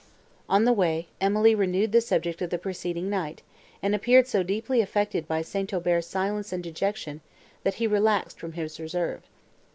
On the way, Emily renewed the subject of the preceding night, and appeared so deeply affected by St. Aubert's silence and dejection, that he relaxed from his reserve.